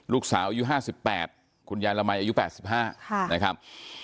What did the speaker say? ลูกสาวอายุ๕๘คุณยายละมัยอายุ๘๕นะครับ